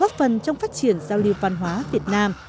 góp phần trong phát triển giao lưu văn hóa việt nam